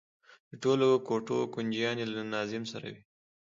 د ټولو کوټو کونجيانې له ناظم سره وي.